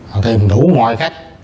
họ tìm đủ mọi cách